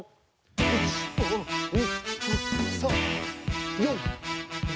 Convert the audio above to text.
１２３４５。